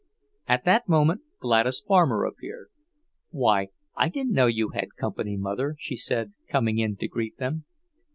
At that moment Gladys Farmer appeared. "Why, I didn't know you had company, Mother," she said, coming in to greet them.